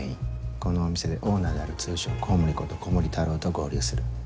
このお店でオーナーである通称「コウモリ」こと古森太郎と合流する。